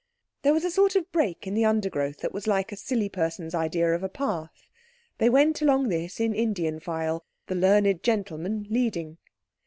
There was a sort of break in the undergrowth that was like a silly person's idea of a path. They went along this in Indian file, the learned gentleman leading.